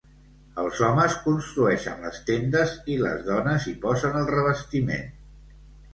Els homes construeixen les tendes i les dones hi posen el revestiment.